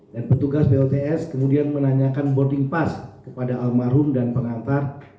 dan petugas pots kemudian menanyakan boarding pass kepada almarhum dan pengantar